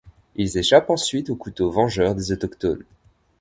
Ils échappent ensuite aux couteaux vengeurs des autochtones.